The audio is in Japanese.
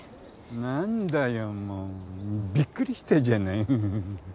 何だよもうびっくりしたじゃないふふふっ。